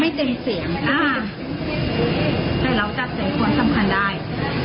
ไม่เต็มเสียงอ่าแต่เราจัดเสียงความสำคัญได้